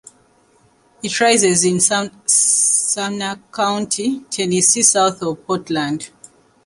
It rises in Sumner County, Tennessee, south of Portland.